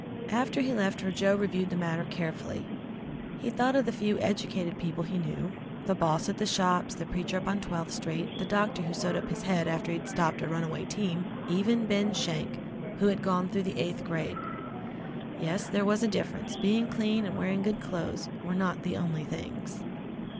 After he left her, Joe reviewed the matter carefully. He thought of the few educated people he knew the boss at the shops, the preacher up on Twelfth Street, the doctor who sewed up his head after he stopped a runaway team, even Ben Schenk, who had gone through the eighth grade. Yes, there was a difference. Being clean and wearing good clothes were not the only things.